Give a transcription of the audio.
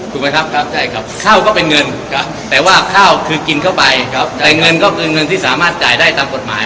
ถูกไหมครับข้าวก็เป็นเงินแต่ว่าข้าวคือกินเข้าไปแต่เงินก็เป็นเงินที่สามารถจ่ายได้ตามกฎหมาย